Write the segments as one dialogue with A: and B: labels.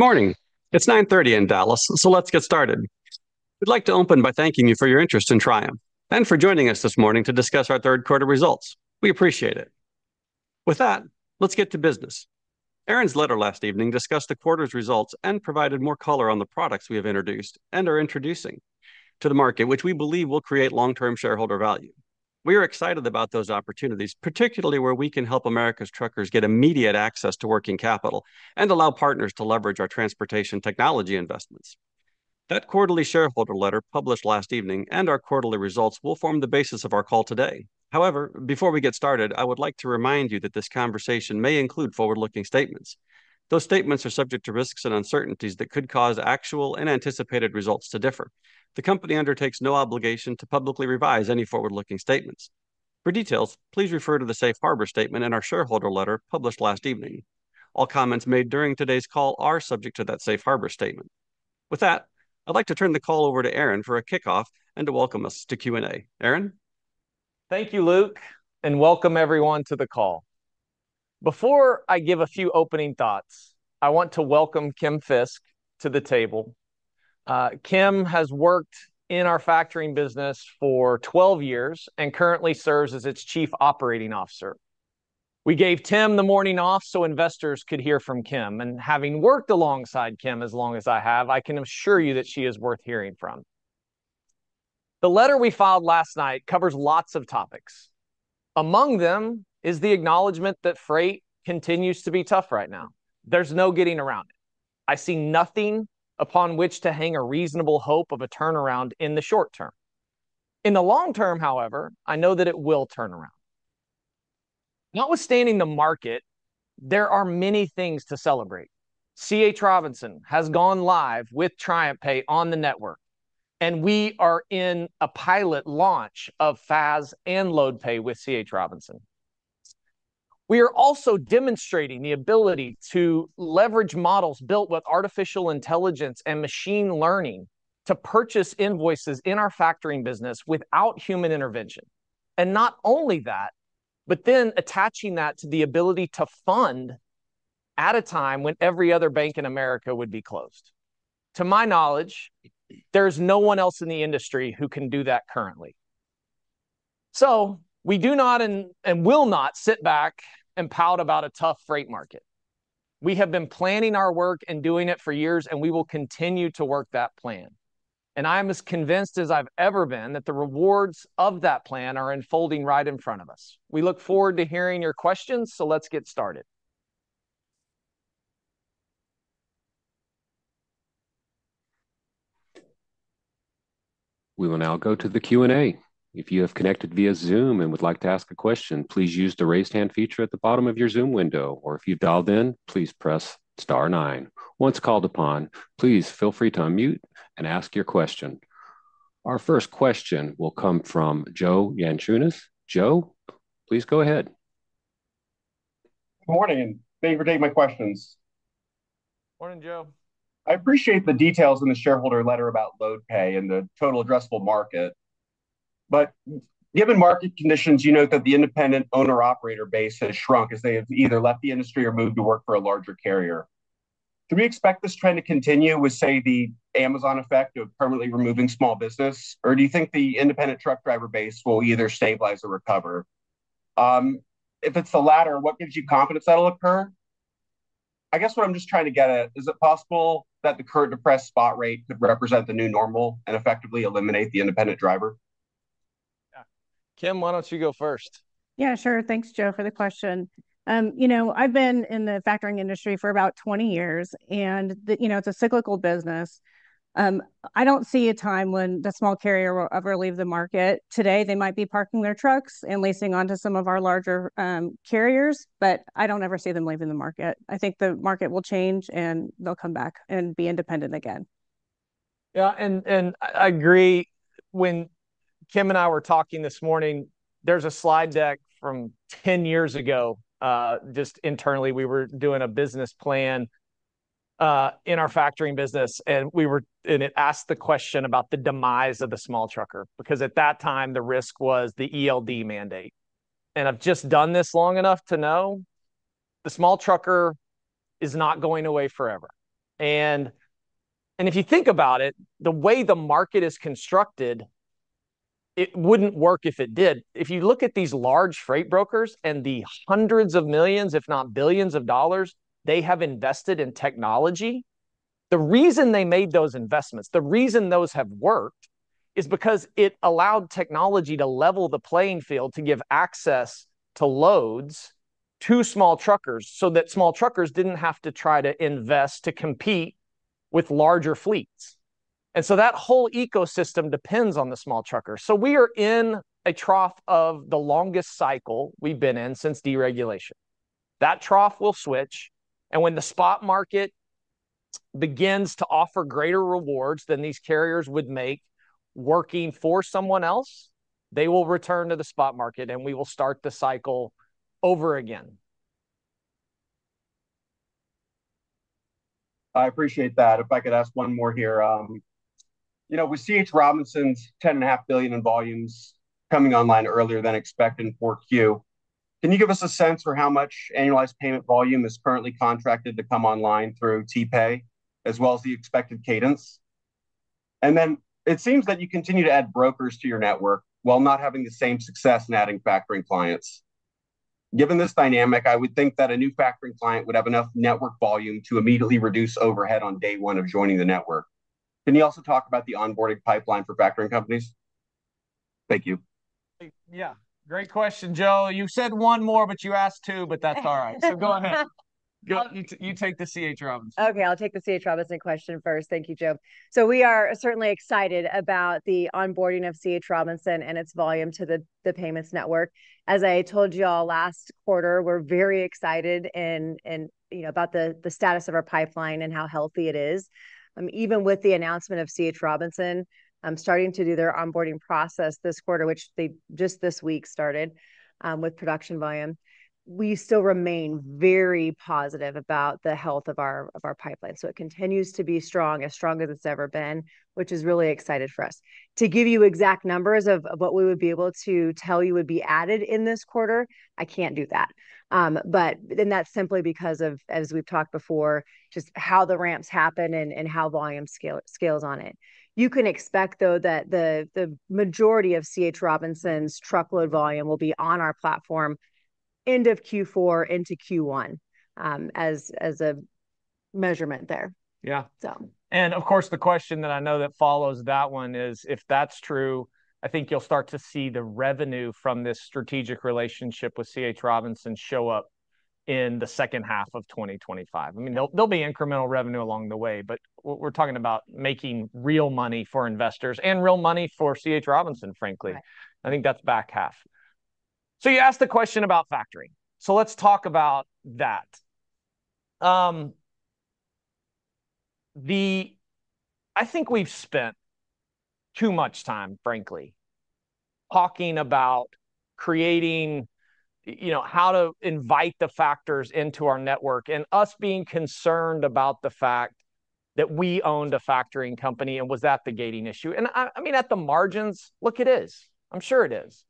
A: Morning. It's 9:30 A.M. in Dallas, so let's get started. We'd like to open by thanking you for your interest in Triumph, and for joining us this morning to discuss our third quarter results. We appreciate it. With that, let's get to business. Aaron's letter last evening discussed the quarter's results and provided more color on the products we have introduced, and are introducing, to the market, which we believe will create long-term shareholder value. We are excited about those opportunities, particularly where we can help America's truckers get immediate access to working capital, and allow partners to leverage our transportation technology investments. That quarterly shareholder letter, published last evening, and our quarterly results will form the basis of our call today. However, before we get started, I would like to remind you that this conversation may include forward-looking statements. Those statements are subject to risks and uncertainties that could cause actual and anticipated results to differ. The company undertakes no obligation to publicly revise any forward-looking statements. For details, please refer to the safe harbor statement in our shareholder letter, published last evening. All comments made during today's call are subject to that safe harbor statement. With that, I'd like to turn the call over to Aaron for a kickoff and to welcome us to Q&A. Aaron?
B: Thank you, Luke, and welcome, everyone, to the call. Before I give a few opening thoughts, I want to welcome Kim Fisk to the table. Kim has worked in our factoring business for 12 years, and currently serves as its Chief Operating Officer. We gave Tim the morning off so investors could hear from Kim, and having worked alongside Kim as long as I have, I can assure you that she is worth hearing from. The letter we filed last night covers lots of topics. Among them is the acknowledgement that freight continues to be tough right now. There's no getting around it. I see nothing upon which to hang a reasonable hope of a turnaround in the short term. In the long term, however, I know that it will turn around. Notwithstanding the market, there are many things to celebrate. C.H. Robinson has gone live with TriumphPay on the network, and we are in a pilot launch of FAS and LoadPay with C.H. Robinson. We are also demonstrating the ability to leverage models built with artificial intelligence and machine learning to purchase invoices in our factoring business without human intervention, and not only that, but then attaching that to the ability to fund at a time when every other bank in America would be closed. To my knowledge, there's no one else in the industry who can do that currently, so we do not, and, and will not, sit back and pout about a tough freight market. We have been planning our work and doing it for years, and we will continue to work that plan, and I am as convinced as I've ever been that the rewards of that plan are unfolding right in front of us. We look forward to hearing your questions, so let's get started.
C: We will now go to the Q&A. If you have connected via Zoom and would like to ask a question, please use the Raise Hand feature at the bottom of your Zoom window, or if you've dialed in, please press star nine. Once called upon, please feel free to unmute and ask your question. Our first question will come from Joe Yanchunis. Joe, please go ahead.
D: Good morning, and thank you for taking my questions.
B: Morning, Joe.
D: I appreciate the details in the shareholder letter about LoadPay and the total addressable market, but given market conditions, you note that the independent owner/operator base has shrunk as they have either left the industry or moved to work for a larger carrier. Do we expect this trend to continue with, say, the Amazon effect of permanently removing small business, or do you think the independent truck driver base will either stabilize or recover? If it's the latter, what gives you confidence that'll occur? I guess what I'm just trying to get at, is it possible that the current depressed spot rate could represent the new normal and effectively eliminate the independent driver?
B: Yeah. Kim, why don't you go first?
E: Yeah, sure. Thanks, Joe, for the question. You know, I've been in the factoring industry for about 20 years, and you know, it's a cyclical business. I don't see a time when the small carrier will ever leave the market. Today, they might be parking their trucks and leasing on to some of our larger carriers, but I don't ever see them leaving the market. I think the market will change, and they'll come back and be independent again.
B: Yeah, and I agree. When Kim and I were talking this morning, there's a slide deck from 10 years ago, just internally, we were doing a business plan in our factoring business, and it asked the question about the demise of the small trucker, because at that time, the risk was the ELD mandate. And I've just done this long enough to know the small trucker is not going away forever. And if you think about it, the way the market is constructed, it wouldn't work if it did. If you look at these large freight brokers and the hundreds of millions, if not billions, of dollars they have invested in technology, the reason they made those investments, the reason those have worked, is because it allowed technology to level the playing field to give access to loads to small truckers, so that small truckers didn't have to try to invest to compete with larger fleets, and so that whole ecosystem depends on the small trucker, so we are in a trough of the longest cycle we've been in since deregulation. That trough will switch, and when the spot market begins to offer greater rewards than these carriers would make working for someone else, they will return to the spot market, and we will start the cycle over again.
D: I appreciate that. If I could ask one more here, You know, with C.H. Robinson's $10.5 billion in volumes coming online earlier than expected in 4Q, can you give us a sense for how much annualized payment volume is currently contracted to come online through TPay, as well as the expected cadence? And then it seems that you continue to add brokers to your network, while not having the same success in adding factoring clients. Given this dynamic, I would think that a new factoring client would have enough network volume to immediately reduce overhead on day one of joining the network. Can you also talk about the onboarding pipeline for factoring companies? Thank you.
B: Yeah, great question, Joe. You said one more, but you asked two, but that's all right. So go ahead. Go, you take the C.H. Robinson.
F: Okay, I'll take the C.H. Robinson question first. Thank you, Joe. So we are certainly excited about the onboarding of C.H. Robinson and its volume to the payments network. As I told you all last quarter, we're very excited and you know about the status of our pipeline and how healthy it is. Even with the announcement of C.H. Robinson starting to do their onboarding process this quarter, which they just this week started with production volume, we still remain very positive about the health of our pipeline. So it continues to be strong, as strong as it's ever been, which is really exciting for us. To give you exact numbers of what we would be able to tell you would be added in this quarter, I can't do that. and that's simply because of, as we've talked before, just how the ramps happen and how volume scales on it. You can expect, though, that the majority of C.H. Robinson's truckload volume will be on our platform end of Q4 into Q1, as a measurement there.
B: Yeah.
F: So.
B: Of course, the question that I know that follows that one is, if that's true, I think you'll start to see the revenue from this strategic relationship with C.H. Robinson show up in the second half of 2025. I mean, there'll be incremental revenue along the way, but we're talking about making real money for investors and real money for C.H. Robinson, frankly.
F: Right.
B: I think that's back half. So you asked the question about factoring, so let's talk about that. I think we've spent too much time, frankly, talking about creating, you know, how to invite the factors into our network, and us being concerned about the fact that we owned a factoring company, and was that the gating issue? And I mean, at the margins, look, it is. I'm sure it is.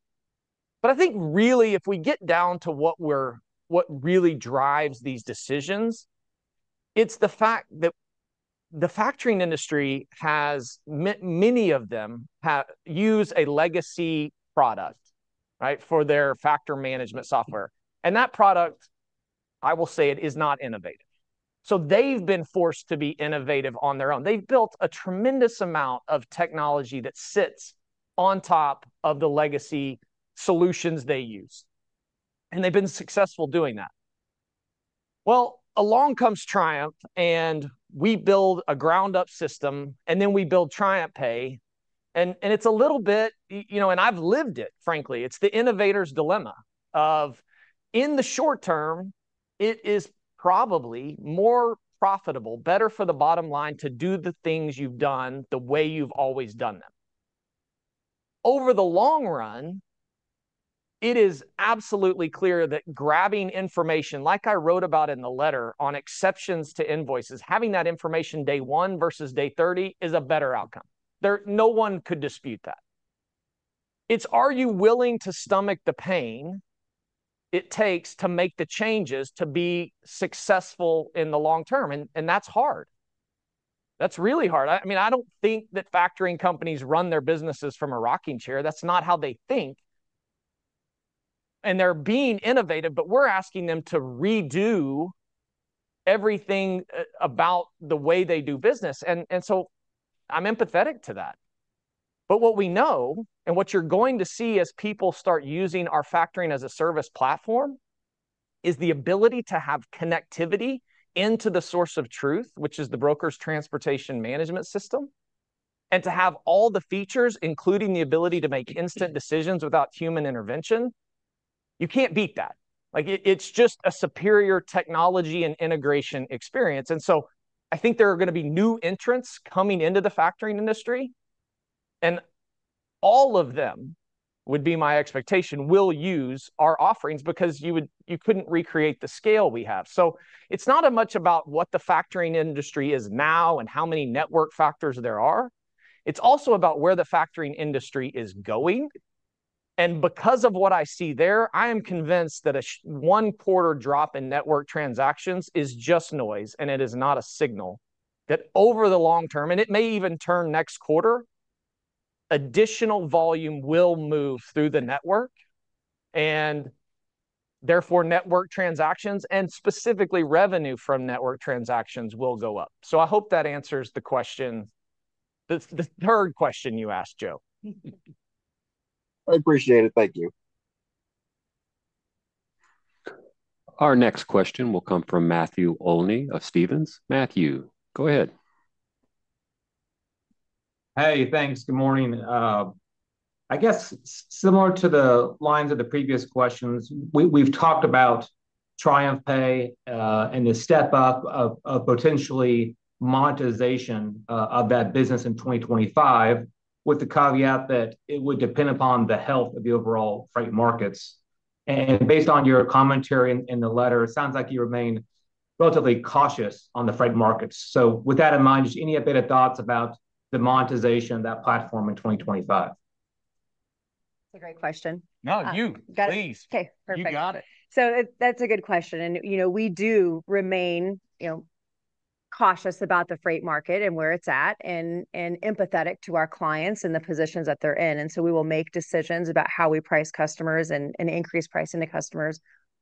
B: But I think really if we get down to what really drives these decisions, it's the fact that the factoring industry has many of them use a legacy product, right, for their factor management software. And that product, I will say it, is not innovative. So they've been forced to be innovative on their own. They've built a tremendous amount of technology that sits on top of the legacy solutions they use, and they've been successful doing that. Well, along comes Triumph, and we build a ground-up system, and then we build TriumphPay, and it's a little bit... you know, and I've lived it, frankly. It's the innovator's dilemma of, in the short term, it is probably more profitable, better for the bottom line, to do the things you've done the way you've always done them. Over the long run, it is absolutely clear that grabbing information, like I wrote about in the letter on exceptions to invoices, having that information day one versus day thirty is a better outcome. No one could dispute that. It's, are you willing to stomach the pain it takes to make the changes to be successful in the long run? And that's hard. That's really hard. I mean, I don't think that factoring companies run their businesses from a rocking chair. That's not how they think. And they're being innovative, but we're asking them to redo everything about the way they do business, and so I'm empathetic to that. But what we know, and what you're going to see as people start using our Factoring as a Service platform, is the ability to have connectivity into the source of truth, which is the broker's transportation management system, and to have all the features, including the ability to make instant decisions without human intervention. You can't beat that. Like, it's just a superior technology and integration experience. And so I think there are gonna be new entrants coming into the factoring industry, and all of them, would be my expectation, will use our offerings because you couldn't recreate the scale we have. So it's not as much about what the factoring industry is now and how many network factors there are. It's also about where the factoring industry is going. And because of what I see there, I am convinced that a one quarter drop in network transactions is just noise, and it is not a signal. That over the long term, and it may even turn next quarter, additional volume will move through the network, and therefore, network transactions, and specifically revenue from network transactions, will go up. So I hope that answers the question, the, the third question you asked, Joe.
D: I appreciate it. Thank you.
C: Our next question will come from Matthew Olney of Stephens. Matthew, go ahead.
G: Hey, thanks. Good morning. I guess similar to the lines of the previous questions, we've talked about TriumphPay, and the step-up of potentially monetization of that business in 2025, with the caveat that it would depend upon the health of the overall freight markets. And based on your commentary in the letter, it sounds like you remain-... relatively cautious on the freight markets. So with that in mind, just any updated thoughts about the monetization of that platform in 2025?
F: That's a great question.
B: No, you-
F: Got it.
B: Please.
F: Okay, perfect.
B: You got it.
F: That's a good question, and, you know, we do remain, you know, cautious about the freight market and where it's at, and empathetic to our clients and the positions that they're in. And so we will make decisions about how we price customers and increase pricing to customers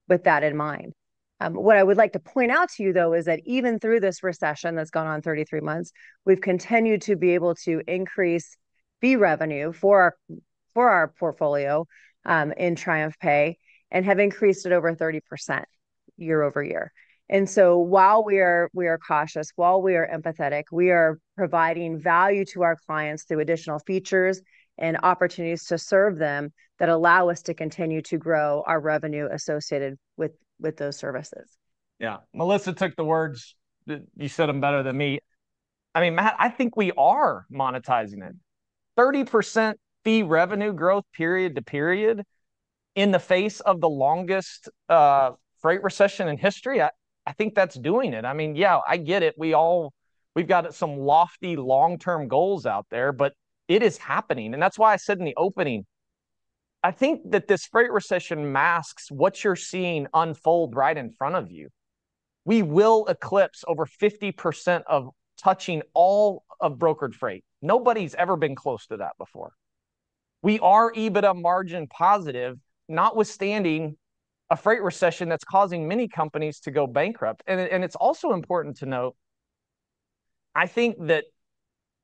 F: with that in mind. What I would like to point out to you, though, is that even through this recession that's gone on thirty-three months, we've continued to be able to increase fee revenue for our portfolio in TriumphPay, and have increased it over 30% year over year. And so while we are cautious, while we are empathetic, we are providing value to our clients through additional features and opportunities to serve them that allow us to continue to grow our revenue associated with those services.
B: Yeah. Melissa took the words; you said them better than me. I mean, Matt, I think we are monetizing it. 30% fee revenue growth period to period in the face of the longest freight recession in history. I think that's doing it. I mean, yeah, I get it. We've got some lofty long-term goals out there, but it is happening, and that's why I said in the opening, I think that this freight recession masks what you're seeing unfold right in front of you. We will eclipse over 50% of touching all of brokered freight. Nobody's ever been close to that before. We are EBITDA margin positive, notwithstanding a freight recession that's causing many companies to go bankrupt. And it's also important to note, I think that...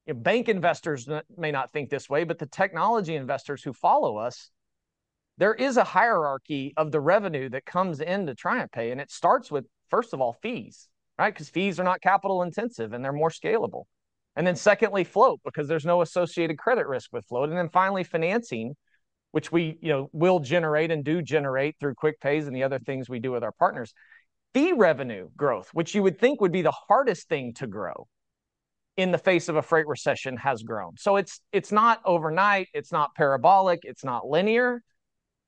B: Bank investors may not think this way, but the technology investors who follow us, there is a hierarchy of the revenue that comes into TriumphPay, and it starts with, first of all, fees, right? 'Cause fees are not capital intensive, and they're more scalable. And then secondly, float, because there's no associated credit risk with float. And then finally, financing, which we, you know, will generate and do generate through QuickPay and the other things we do with our partners. Fee revenue growth, which you would think would be the hardest thing to grow in the face of a freight recession, has grown. So it's, it's not overnight, it's not parabolic, it's not linear,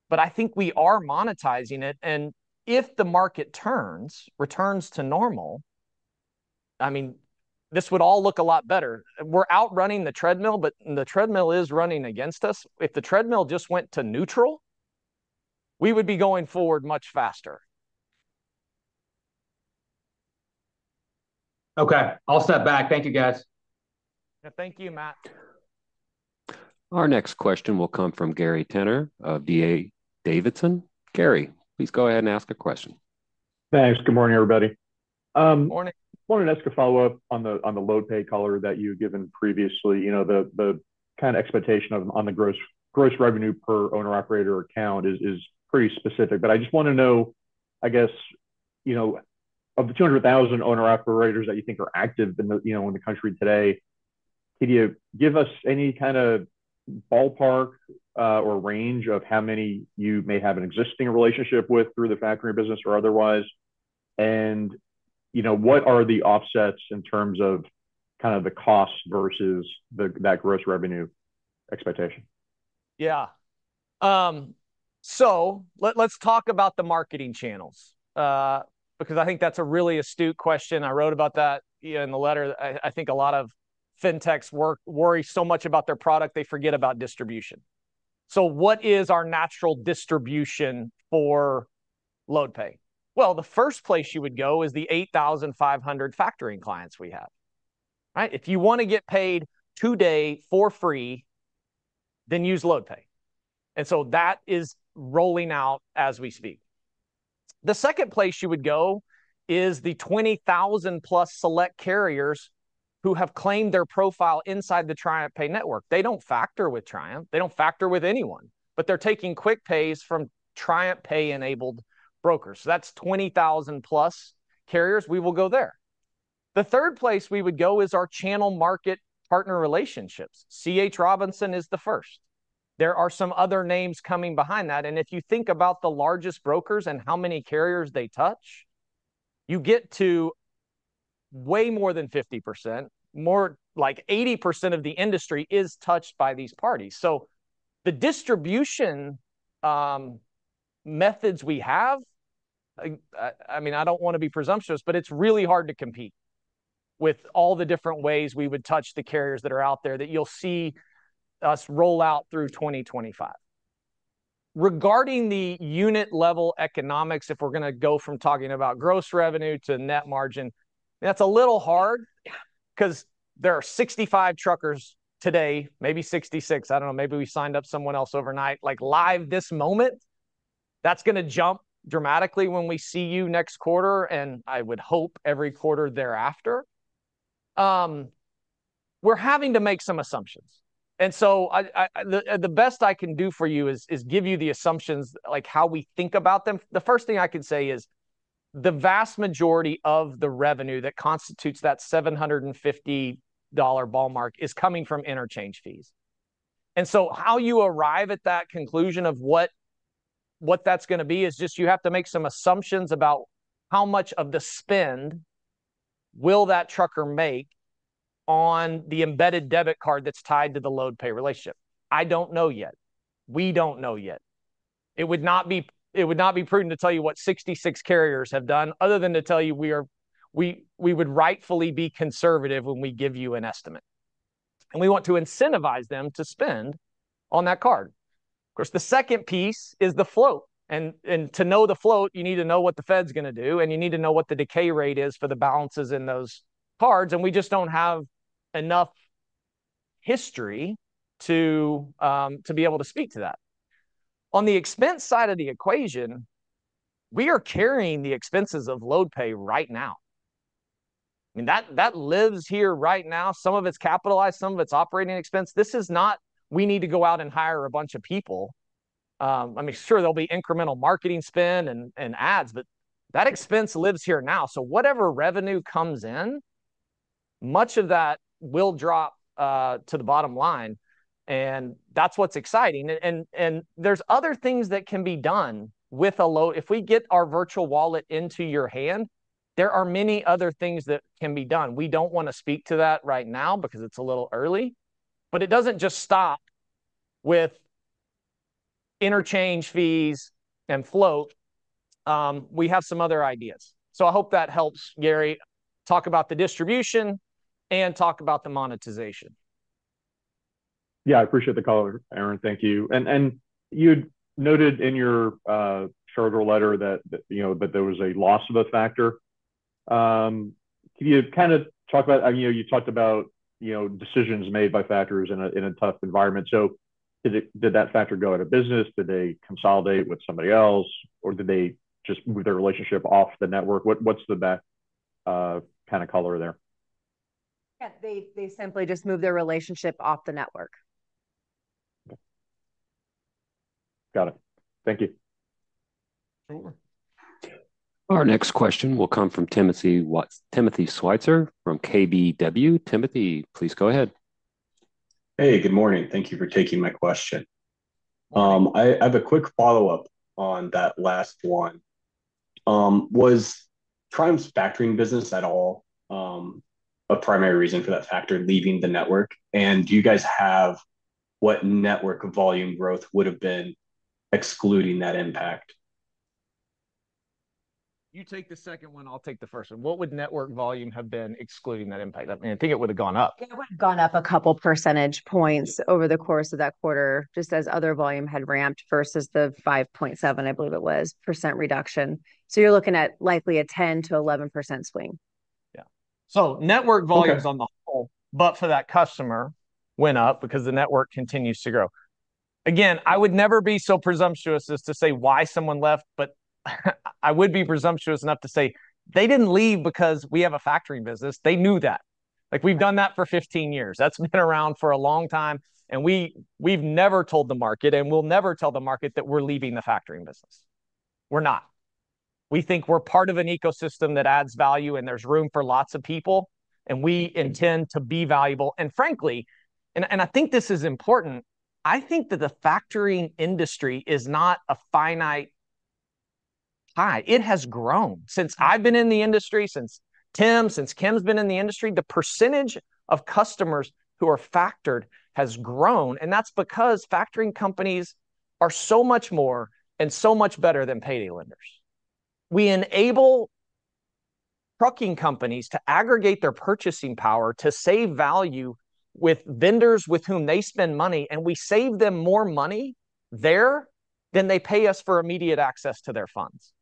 B: but I think we are monetizing it. And if the market turns, returns to normal, I mean, this would all look a lot better. We're outrunning the treadmill, but the treadmill is running against us. If the treadmill just went to neutral, we would be going forward much faster.
G: Okay, I'll step back. Thank you, guys.
B: Yeah, thank you, Matt.
C: Our next question will come from Gary Tenner of D.A. Davidson. Gary, please go ahead and ask a question.
H: Thanks. Good morning, everybody.
B: Morning.
H: Wanted to ask a follow-up on the LoadPay color that you had given previously. You know, the kind of expectation on the gross revenue per owner-operator account is pretty specific. But I just wanna know, I guess, you know, of the 200,000 owner-operators that you think are active in the country today, can you give us any kind of ballpark or range of how many you may have an existing relationship with through the factoring business or otherwise? And, you know, what are the offsets in terms of kind of the cost versus that gross revenue expectation? Yeah. So let's talk about the marketing channels, because I think that's a really astute question. I wrote about that, you know, in the letter. I think a lot of fintechs worry so much about their product, they forget about distribution. So what is our natural distribution for LoadPay? Well, the first place you would go is the 8,500 factoring clients we have, right? If you wanna get paid today for free, then use LoadPay, and so that is rolling out as we speak. The second place you would go is the 20,000-plus select carriers who have claimed their profile inside the TriumphPay network. They don't factor with Triumph, they don't factor with anyone, but they're taking quick pays from TriumphPay-enabled brokers. So that's 20,000-plus carriers, we will go there. The third place we would go is our channel market partner relationships. C.H. Robinson is the first. There are some other names coming behind that, and if you think about the largest brokers and how many carriers they touch, you get to way more than 50%. More like 80% of the industry is touched by these parties. So the distribution methods we have, I mean, I don't wanna be presumptuous, but it's really hard to compete with all the different ways we would touch the carriers that are out there, that you'll see us roll out through twenty twenty-five. Regarding the unit-level economics, if we're gonna go from talking about gross revenue to net margin, that's a little hard, 'cause there are 65 truckers today, maybe 66, I don't know, maybe we signed up someone else overnight, like, live this moment. That's gonna jump dramatically when we see you next quarter, and I would hope every quarter thereafter. We're having to make some assumptions, and so the best I can do for you is give you the assumptions, like how we think about them. The first thing I can say is, the vast majority of the revenue that constitutes that $750 ballpark is coming from interchange fees. And so how you arrive at that conclusion of what that's gonna be is just you have to make some assumptions about how much of the spend will that trucker make on the embedded debit card that's tied to the Load Pay relationship? I don't know yet. We don't know yet. It would not be prudent to tell you what 66 carriers have done, other than to tell you we would rightfully be conservative when we give you an estimate. And we want to incentivize them to spend on that card. Of course, the second piece is the float. And to know the float, you need to know what the Fed's gonna do, and you need to know what the decay rate is for the balances in those cards, and we just don't have enough history to be able to speak to that. On the expense side of the equation, we are carrying the expenses of LoadPay right now. I mean, that lives here right now. Some of it's capitalized, some of it's operating expense. This is not, "We need to go out and hire a bunch of people." I mean, sure, there'll be incremental marketing spend and ads, but that expense lives here now. So whatever revenue comes in, much of that will drop to the bottom line, and that's what's exciting. There's other things that can be done with a LoadPay. If we get our virtual wallet into your hand, there are many other things that can be done. We don't wanna speak to that right now because it's a little early, but it doesn't just stop with interchange fees and float. We have some other ideas. I hope that helps, Gary, talk about the distribution and talk about the monetization. Yeah, I appreciate the color, Aaron, thank you. And you'd noted in your shareholder letter that, you know, that there was a loss of a factor. Can you kind of talk about, I know you talked about, you know, decisions made by factors in a tough environment. So did that factor go out of business? Did they consolidate with somebody else? Or did they just move their relationship off the network? What's the best kind of color there?
F: Yeah, they simply just moved their relationship off the network.
H: Got it. Thank you.
F: Sure.
C: Our next question will come from Timothy Switzer from KBW. Timothy, please go ahead.
I: Hey, good morning. Thank you for taking my question. I have a quick follow-up on that last one. Was Triumph's factoring business at all a primary reason for that factor leaving the network? And do you guys have what network volume growth would've been excluding that impact?
B: You take the second one, I'll take the first one. What would network volume have been, excluding that impact? I think it would've gone up.
F: It would've gone up a couple percentage points over the course of that quarter, just as other volume had ramped versus the 5.7%, I believe it was, reduction. So you're looking at likely a 10%-11% swing.
B: Yeah. So network volumes-
I: Okay...
B: on the whole, but for that customer, went up because the network continues to grow. Again, I would never be so presumptuous as to say why someone left, but I would be presumptuous enough to say they didn't leave because we have a factoring business. They knew that. Like, we've done that for fifteen years. That's been around for a long time, and we, we've never told the market, and we'll never tell the market that we're leaving the factoring business. We're not. We think we're part of an ecosystem that adds value, and there's room for lots of people, and we intend to be valuable. And frankly, and, and I think this is important, I think that the factoring industry is not a finite pie. It has grown since I've been in the industry, since Tim, since Kim's been in the industry. The percentage of customers who are factored has grown, and that's because factoring companies are so much more and so much better than payday lenders. We enable trucking companies to aggregate their purchasing power to save value with vendors with whom they spend money, and we save them more money there than they pay us for immediate access to their funds.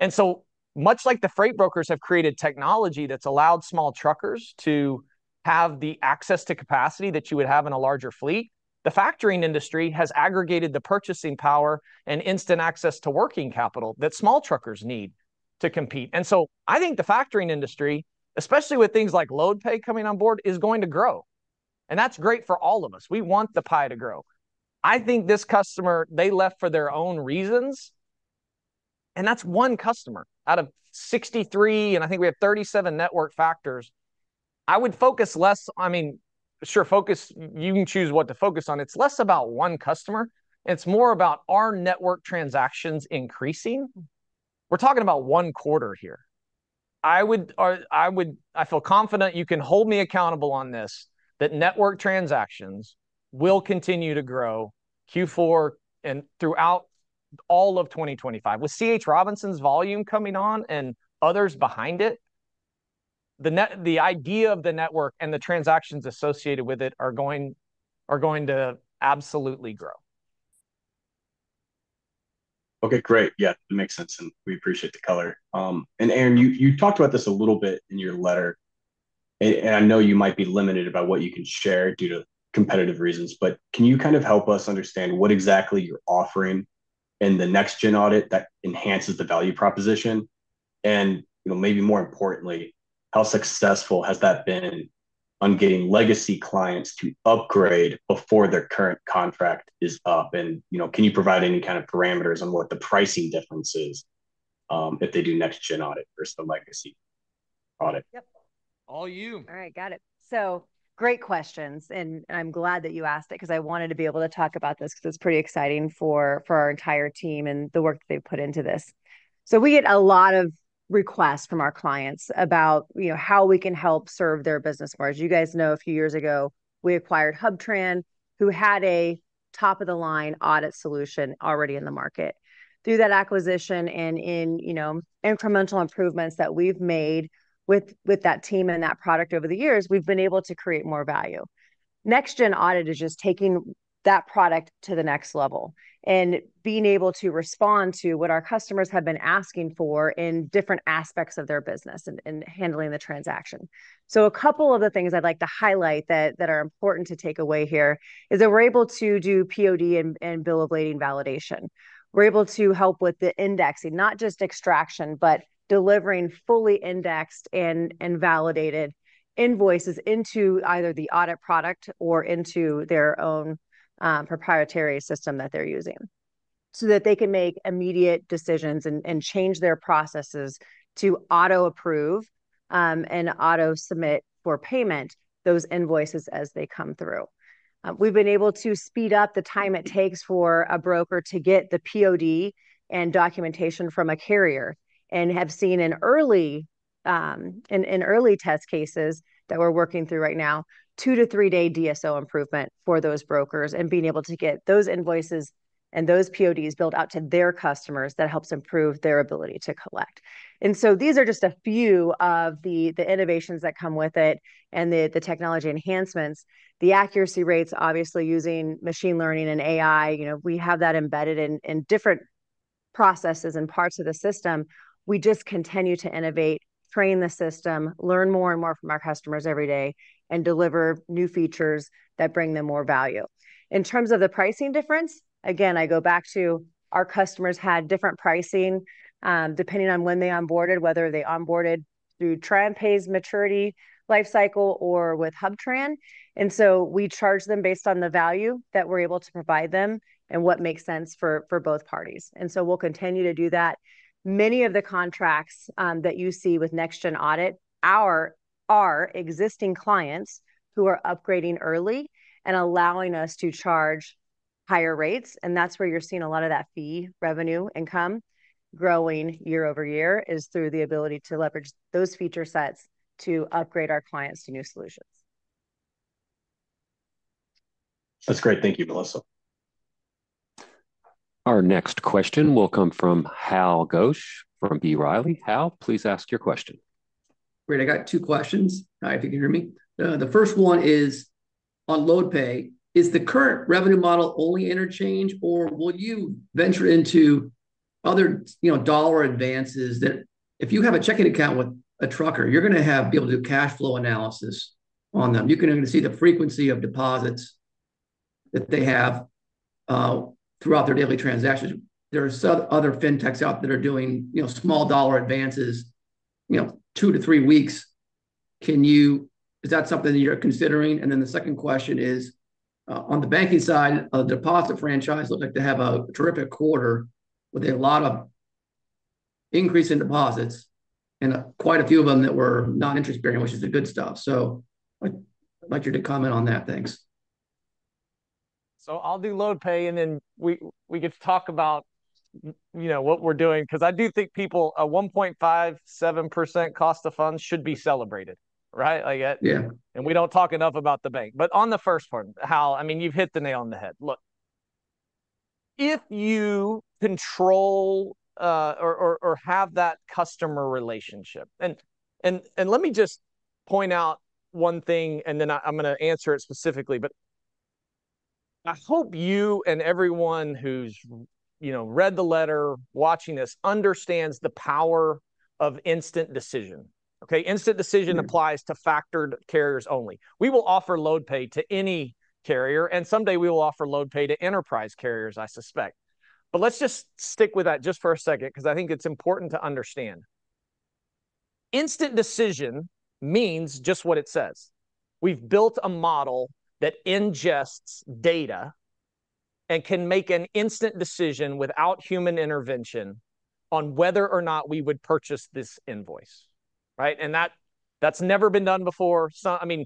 B: And so, much like the freight brokers have created technology that's allowed small truckers to have the access to capacity that you would have in a larger fleet, the factoring industry has aggregated the purchasing power and instant access to working capital that small truckers need to compete. And so I think the factoring industry, especially with things like Load Pay coming on board, is going to grow, and that's great for all of us. We want the pie to grow. I think this customer, they left for their own reasons, and that's one customer out of 63, and I think we have 37 network factors. I would focus less. I mean, sure, focus, you can choose what to focus on. It's less about one customer, and it's more about, are network transactions increasing? We're talking about one quarter here. I would, I would. I feel confident, you can hold me accountable on this, that network transactions will continue to grow Q4 and throughout all of 2025. With C.H. Robinson's volume coming on and others behind it, the idea of the network and the transactions associated with it are going to absolutely grow.
I: Okay, great. Yeah, that makes sense, and we appreciate the color, and Aaron, you talked about this a little bit in your letter, and I know you might be limited by what you can share due to competitive reasons, but can you kind of help us understand what exactly you're offering in the NextGen Audit that enhances the value proposition? And, you know, maybe more importantly, how successful has that been on getting legacy clients to upgrade before their current contract is up? And, you know, can you provide any kind of parameters on what the pricing difference is, if they do NextGen Audit versus the legacy audit?...
B: all you!
F: All right, got it. So great questions, and I'm glad that you asked it, 'cause I wanted to be able to talk about this, 'cause it's pretty exciting for our entire team and the work they've put into this. So we get a lot of requests from our clients about, you know, how we can help serve their business more. As you guys know, a few years ago, we acquired HubTran, who had a top-of-the-line audit solution already in the market. Through that acquisition and in, you know, incremental improvements that we've made with that team and that product over the years, we've been able to create more value. NextGen Audit is just taking that product to the next level and being able to respond to what our customers have been asking for in different aspects of their business, and handling the transaction. A couple of the things I'd like to highlight that are important to take away here is that we're able to do POD and bill of lading validation. We're able to help with the indexing, not just extraction, but delivering fully indexed and validated invoices into either the audit product or into their own proprietary system that they're using, so that they can make immediate decisions and change their processes to auto-approve and auto-submit for payment those invoices as they come through. We've been able to speed up the time it takes for a broker to get the POD and documentation from a carrier, and have seen in early test cases that we're working through right now, two to three-day DSO improvement for those brokers, and being able to get those invoices and those PODs billed out to their customers. That helps improve their ability to collect. And so these are just a few of the innovations that come with it and the technology enhancements. The accuracy rates, obviously using machine learning and AI, you know, we have that embedded in different processes and parts of the system. We just continue to innovate, train the system, learn more and more from our customers every day, and deliver new features that bring them more value. In terms of the pricing difference, again, I go back to our customers had different pricing, depending on when they onboarded, whether they onboarded through TriumphPay's maturity life cycle or with HubTran. And so we charge them based on the value that we're able to provide them and what makes sense for both parties, and so we'll continue to do that. Many of the contracts that you see with NextGen Audit are existing clients who are upgrading early and allowing us to charge higher rates, and that's where you're seeing a lot of that fee revenue income growing year over year, is through the ability to leverage those feature sets to upgrade our clients to new solutions.
I: That's great. Thank you, Melissa.
C: Our next question will come from Hal Ghosh from B. Riley. Hal, please ask your question.
J: Great. I got two questions. Hi, if you can hear me. The first one is on LoadPay. Is the current revenue model only interchange, or will you venture into other, you know, dollar advances that if you have a checking account with a trucker, you're gonna be able to do cash flow analysis on them? You're gonna be able to see the frequency of deposits that they have throughout their daily transactions. There are some other fintechs out that are doing, you know, small dollar advances, you know, two to three weeks. Is that something that you're considering? And then the second question is, on the banking side, a deposit franchise looked like to have a terrific quarter with a lot of increase in deposits, and quite a few of them that were non-interest-bearing, which is the good stuff. So I'd like you to comment on that. Thanks.
B: So I'll do Load Pay, and then we get to talk about, you know, what we're doing. 'Cause I do think people, a 1.57% cost of funds should be celebrated, right? Like,
J: Yeah.
B: We don't talk enough about the bank. But on the first part, Hal, I mean, you've hit the nail on the head. Look, if you control or have that customer relationship. And let me just point out one thing, and then I'm gonna answer it specifically. But I hope you and everyone who's, you know, read the letter watching this understands the power of instant decision, okay? Instant decision.
J: Mm...
B: applies to factored carriers only. We will offer LoadPay to any carrier, and someday we will offer LoadPay to enterprise carriers, I suspect. But let's just stick with that just for a second, 'cause I think it's important to understand. Instant decision means just what it says. We've built a model that ingests data and can make an instant decision without human intervention on whether or not we would purchase this invoice, right? And that, that's never been done before. So, I mean,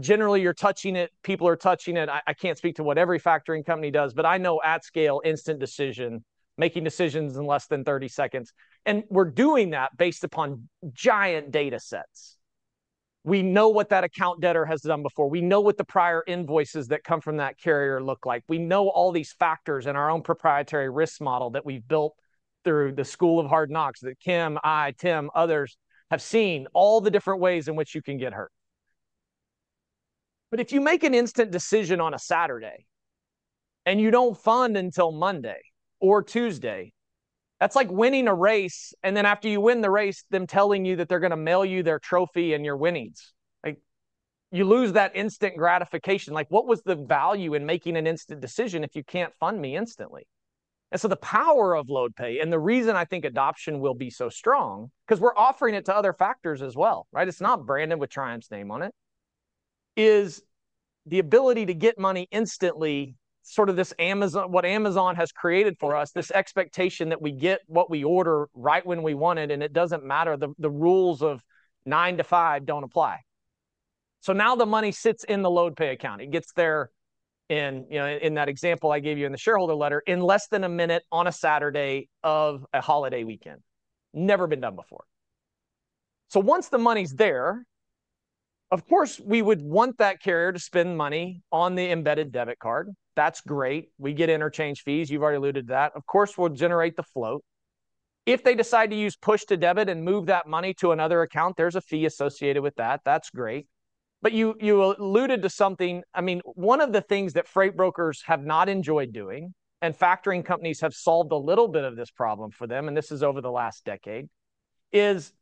B: generally, you're touching it, people are touching it. I can't speak to what every factoring company does, but I know at scale, instant decision, making decisions in less than thirty seconds, and we're doing that based upon giant data sets. We know what that account debtor has done before. We know what the prior invoices that come from that carrier look like. We know all these factors in our own proprietary risk model that we've built through the school of hard knocks, that Kim, I, Tim, others, have seen all the different ways in which you can get hurt. But if you make an instant decision on a Saturday, and you don't fund until Monday or Tuesday, that's like winning a race, and then after you win the race, them telling you that they're gonna mail you their trophy and your winnings. Like, you lose that instant gratification. Like, what was the value in making an instant decision if you can't fund me instantly? And so the power of LoadPay, and the reason I think adoption will be so strong, 'cause we're offering it to other factors as well, right? It's not branded with Triumph's name on it-... is the ability to get money instantly, sort of this Amazon—what Amazon has created for us, this expectation that we get what we order right when we want it, and it doesn't matter, the rules of nine to five don't apply. So now the money sits in the Load Pay account. It gets there in, you know, in that example I gave you in the shareholder letter, in less than a minute on a Saturday of a holiday weekend. Never been done before. So once the money's there, of course, we would want that carrier to spend money on the embedded debit card. That's great. We get interchange fees. You've already alluded to that. Of course, we'll generate the float. If they decide to use push to debit and move that money to another account, there's a fee associated with that. That's great. But you alluded to something. I mean, one of the things that freight brokers have not enjoyed doing, and factoring companies have solved a little bit of this problem for them, and this is over the last decade, is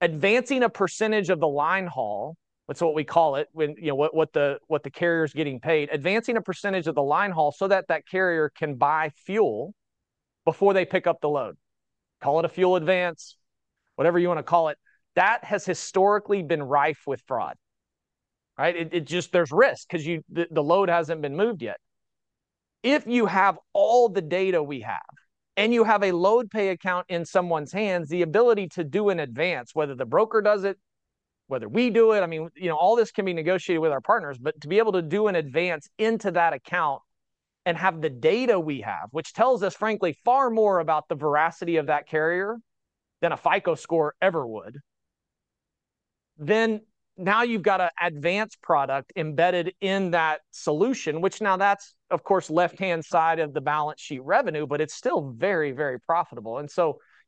B: advancing a percentage of the linehaul. That's what we call it, when, you know, what the carrier's getting paid, advancing a percentage of the linehaul so that carrier can buy fuel before they pick up the load. Call it a fuel advance, whatever you want to call it. That has historically been rife with fraud, right? It just there's risk because the load hasn't been moved yet. If you have all the data we have, and you have a LoadPay account in someone's hands, the ability to do an advance, whether the broker does it, whether we do it, I mean, you know, all this can be negotiated with our partners. To be able to do an advance into that account and have the data we have, which tells us, frankly, far more about the veracity of that carrier than a FICO score ever would, then now you've got an advance product embedded in that solution, which now that's, of course, left-hand side of the balance sheet revenue, but it's still very, very profitable.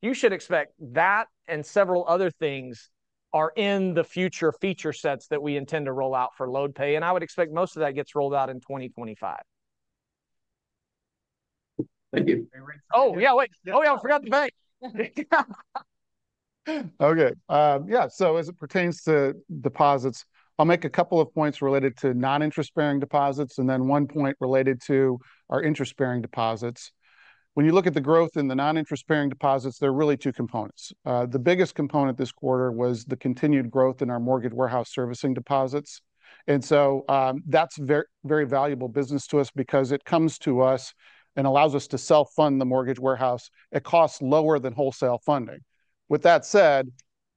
B: You should expect that and several other things are in the future feature sets that we intend to roll out for LoadPay, and I would expect most of that gets rolled out in twenty twenty-five.
J: Thank you.
B: Oh, yeah, wait. Oh, yeah, I forgot the bank.
K: Okay, yeah, so as it pertains to deposits, I'll make a couple of points related to non-interest-bearing deposits and then one point related to our interest-bearing deposits. When you look at the growth in the non-interest-bearing deposits, there are really two components. The biggest component this quarter was the continued growth in our mortgage warehouse servicing deposits, and so that's very valuable business to us because it comes to us and allows us to self-fund the mortgage warehouse. It costs lower than wholesale funding. With that said,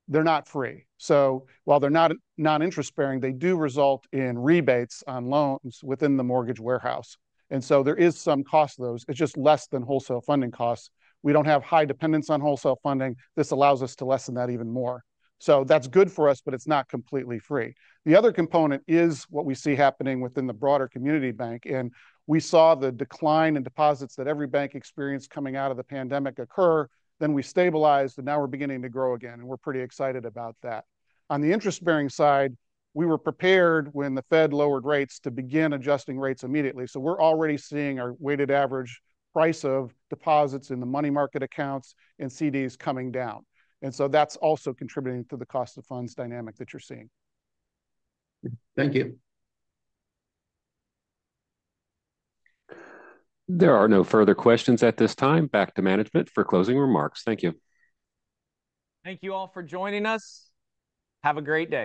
K: they're not free. So while they're not non-interest-bearing, they do result in rebates on loans within the mortgage warehouse, and so there is some cost to those. It's just less than wholesale funding costs. We don't have high dependence on wholesale funding. This allows us to lessen that even more. So that's good for us, but it's not completely free. The other component is what we see happening within the broader community bank, and we saw the decline in deposits that every bank experienced coming out of the pandemic occur, then we stabilized, and now we're beginning to grow again, and we're pretty excited about that. On the interest-bearing side, we were prepared when the Fed lowered rates to begin adjusting rates immediately. So we're already seeing our weighted average price of deposits in the money market accounts and CDs coming down. And so that's also contributing to the cost of funds dynamic that you're seeing.
J: Thank you.
C: There are no further questions at this time. Back to management for closing remarks. Thank you.
B: Thank you all for joining us. Have a great day.